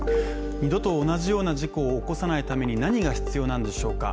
二度と同じような事故を起こさないために何が必要なんでしょうか。